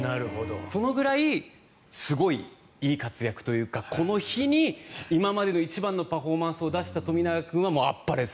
そのぐらいすごいいい活躍というかこの日に今までの一番のパフォーマンスを出した富永君はもうあっぱれです